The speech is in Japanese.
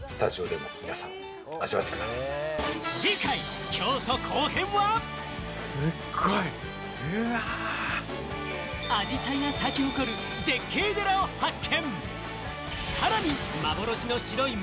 次回、京都後編は、アジサイが咲き誇る絶景寺を発見！